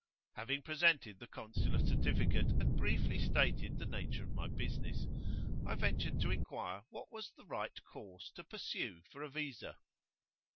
Having presented the consular certificate and briefly stated the nature of my business, I ventured to inquire what was the right course to pursue for a visa.